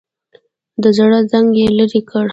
د زړه زنګ یې لرې کړ.